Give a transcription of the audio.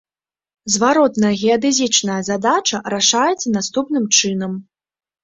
Зваротная геадэзічная задача рашаецца наступным чынам.